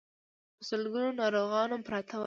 په سلګونو ناروغان پراته ول.